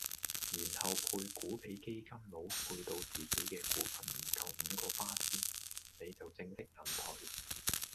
然後配股比基金佬配到自己既股份唔夠五個巴仙，你就正式引退